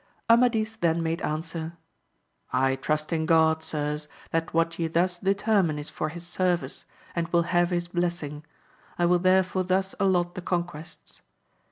Amadis then made answer, I trust in God, sirs, that what ye thus determine is for his service, and will have his blessing ; I will therefore thus allot the con quests.